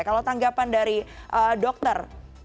kalau tanggapan dari dokter